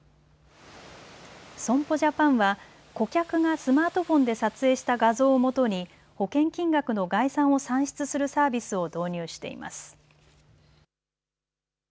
損保ジャパンは顧客がスマートフォンで撮影した画像を基に保険金額の概算を算出するサービスを導入しています。